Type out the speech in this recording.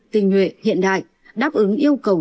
tình nguyện hiện đại đáp ứng yêu cầu